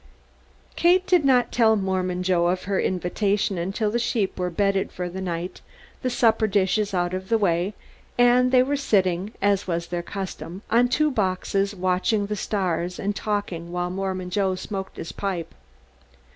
Kate did not tell Mormon Joe of her invitation until the sheep were bedded for the night, the supper dishes out of the way and they were sitting, as was their custom, on two boxes watching the stars and talking while Mormon Joe smoked his pipe.